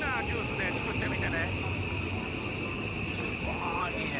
わあいいね。